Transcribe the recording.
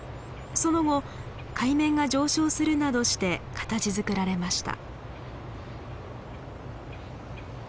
その後海面が上昇するなどして形づくられました。